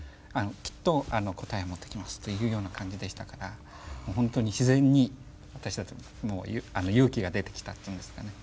きっと答え持ってきますというような感じでしたからほんとに自然に私たちも勇気が出てきたっていうんですかね。